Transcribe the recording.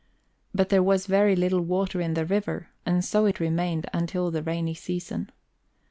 But there was very little water in the river, and so it remained until the rainy season.